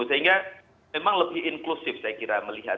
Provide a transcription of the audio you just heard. sehingga memang lebih inklusif saya kira melihat